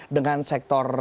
dengan sektor ekonomi